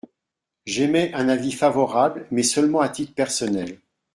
J’émets un avis favorable, mais seulement à titre personnel.